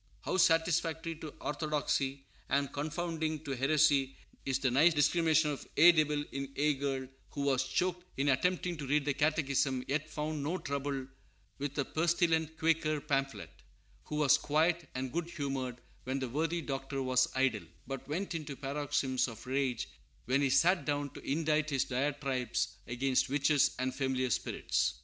How satisfactory to orthodoxy and confounding to heresy is the nice discrimination of "ye divil in ye girl," who was choked in attempting to read the Catechism, yet found no trouble with a pestilent Quaker pamphlet; who was quiet and good humored when the worthy Doctor was idle, but went into paroxysms of rage when he sat down to indite his diatribes against witches and familiar spirits!